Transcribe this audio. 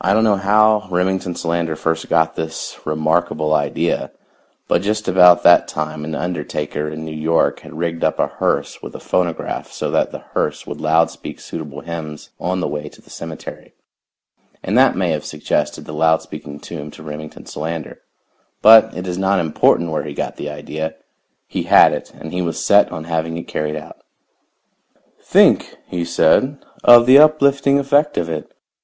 I don't know how Remington Solander first got his remarkable idea, but just about that time an undertaker in New York had rigged up a hearse with a phonograph so that the hearse would loud speak suitable hymns on the way to the cemetery, and that may have suggested the loud speaking tomb to Remington Solander, but it is not important where he got the idea. He had it, and he was set on having it carried out. "Think," he said, "of the uplifting effect of it!